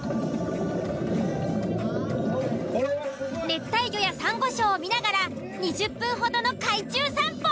熱帯魚やサンゴ礁を見ながら２０分ほどの海中散歩。